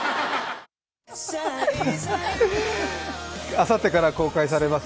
あさってから公開されます